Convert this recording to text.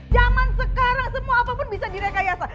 zaman sekarang semua apapun bisa direkayasa